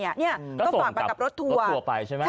ก็ส่งกับรถทัวร์